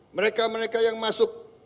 mereka mereka yang masuk